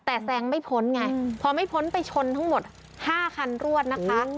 แต่แซงไม่พ้นไงพอไม่พ้นไปชนทั้งหมด๕คันรวดนะคะ